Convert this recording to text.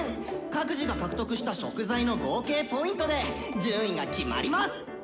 各自が獲得した食材の合計Ｐで順位が決まります！」。